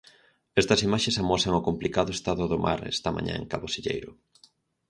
Estas imaxes amosan o complicado estado do mar esta mañá en Cabo Silleiro.